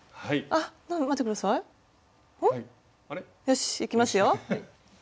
よしいきますよ。